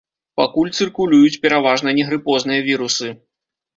Пакуль цыркулююць пераважна негрыпозныя вірусы.